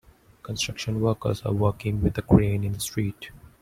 Construction workers are working with a crane in the street.